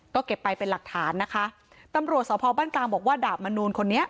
ก็เก็บไปเป็นหลักฐานนะคะตำรวจสพบ้านกลางบอกว่าดาบมนูลคนนี้